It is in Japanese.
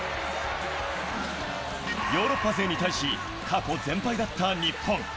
ヨーロッパ勢に対し、過去全敗だった日本。